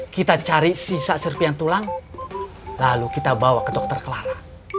kita cari sisa serpian tulang lalu kita bawa ke dokter clara